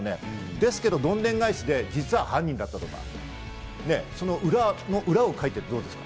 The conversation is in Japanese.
ですけど、どんでん返しで実は犯人だと裏の裏をかいてというんですか。